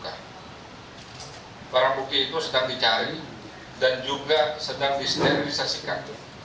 karena barang buki itu sedang dicari dan juga sedang disterilisasikan